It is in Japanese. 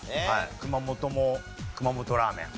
熊本も熊本ラーメン。